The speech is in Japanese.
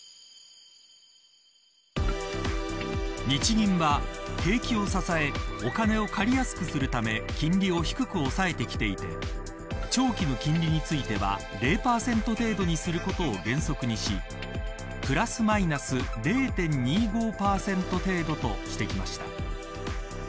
日銀は景気を支えお金を借りやすくするため金利を低く抑えてきていて長期の金利については０％程度にすることを原則にしプラスマイナス０．２５％程度としてきました。